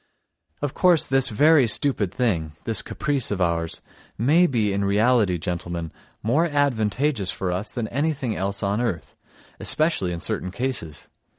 Of course, this very stupid thing, this caprice of ours, may be in reality, gentlemen, more advantageous for us than anything else on earth, especially in certain cases.